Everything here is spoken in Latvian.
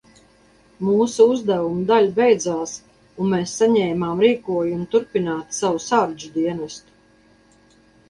Mūsu uzdevuma daļa beidzās un mēs saņēmām rīkojumu turpināt savu sardžu dienestu.